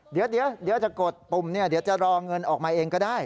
เดี๋ยวจะกดปุ่มเนี่ยเดี๋ยวจะรอเงินออกมาเองก็ได้